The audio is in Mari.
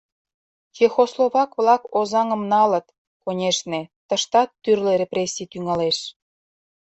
Чехословак-влак Озаҥым налыт, конешне, тыштат тӱрлӧ репрессий тӱҥалеш.